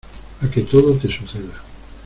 a que todo te suceda.